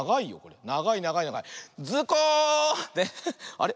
あれ？